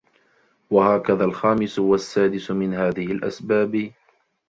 وَهَكَذَا الْخَامِسُ وَالسَّادِسُ مِنْ هَذِهِ الْأَسْبَابِ